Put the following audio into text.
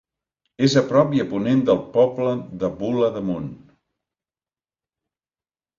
És a prop i a ponent del poble de Bula d'Amunt.